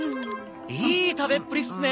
いい食べっぷりっすね。